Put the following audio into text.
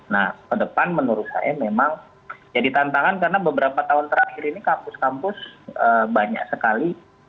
nah ke depan menurut saya memang jadi tantangan karena beberapa tahun terakhir ini kampus kampus banyak sekali